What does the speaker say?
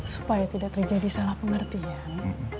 supaya tidak terjadi salah pengertian